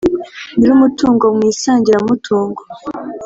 Nyir umutungo mu isangiramutungo